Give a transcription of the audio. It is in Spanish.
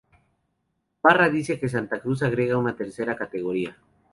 Barra dice que Santa Cruz agrega una tercera categoría.